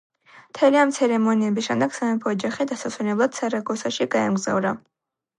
მთელი ამ ცერემონიების შემდეგ, სამეფო ოჯახი დასასვენებლად სარაგოსაში გაემგზავრა.